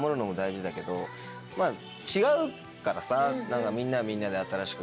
まぁ違うからさ。